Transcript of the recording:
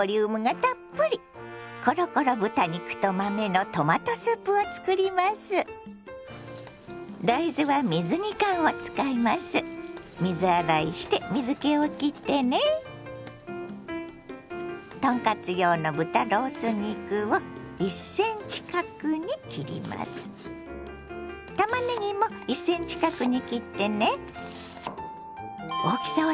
たまねぎも１ｃｍ角に切ってね。